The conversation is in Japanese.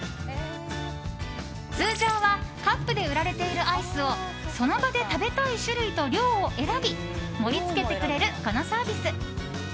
通常はカップで売られているアイスをその場で食べたい種類と量を選び盛り付けてくれる、このサービス。